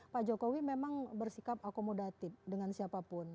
pak jokowi memang bersikap akomodatif dengan siapapun